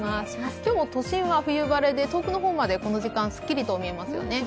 今日も都心は冬晴れで、遠くの方まですっきりと見えますよね。